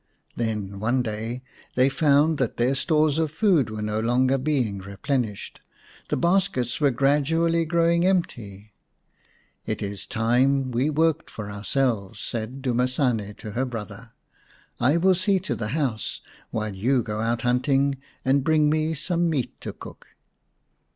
Then one day they found that their stores of food were no longer being re plenished. The baskets were gradually growing empty. "It is time we worked for ourselves," said Dumasane to her brother. " I will see to the house while you go out hunting and bring me some meat to cook."